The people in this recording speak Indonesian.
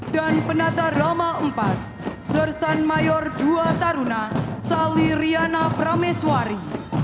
dan pendata roma empat sersan mayor dua taruna salih riana prameswari